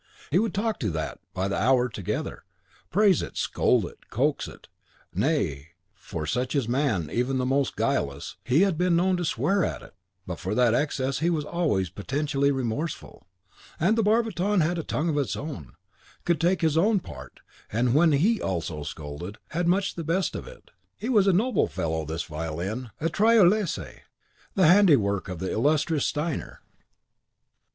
He would talk to THAT by the hour together, praise it, scold it, coax it, nay (for such is man, even the most guileless), he had been known to swear at it; but for that excess he was always penitentially remorseful. And the barbiton had a tongue of his own, could take his own part, and when HE also scolded, had much the best of it. He was a noble fellow, this Violin! a Tyrolese, the handiwork of the illustrious Steiner.